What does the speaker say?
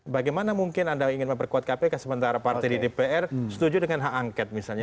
bagaimana mungkin anda ingin memperkuat kpk sementara partai di dpr setuju dengan hak angket misalnya